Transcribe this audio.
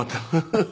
ハハハ。